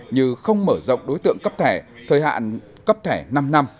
như không mở rộng đối tượng cấp thẻ thời hạn cấp thẻ năm năm